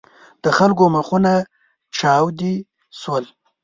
د خلکو مخونه چاودې شول.